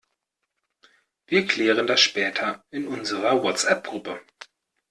Wir klären das später in unserer WhatsApp-Gruppe.